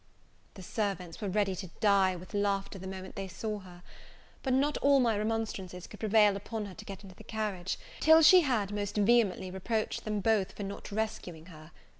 The servants were ready to die with laughter the moment they saw her; but not all my remonstrances could prevail upon her to get into the carriage, till she had most vehemently reproached them both for not rescuing her.